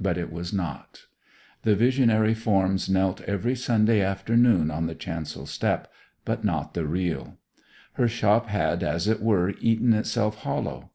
But it was not. The visionary forms knelt every Sunday afternoon on the chancel step, but not the real. Her shop had, as it were, eaten itself hollow.